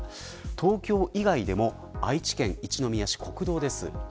東京以外でも愛知県一宮市、国道です。